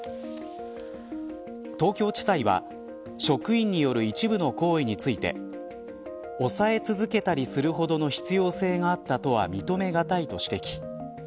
東京地裁は職員による一部の行為について押さえ続けたりするほどの必要性があったとは認めがたいと指摘。